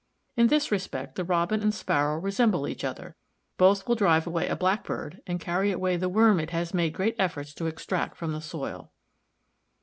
In this respect the Robin and Sparrow resemble each other. Both will drive away a Blackbird and carry away the worm it has made great efforts to extract from the soil.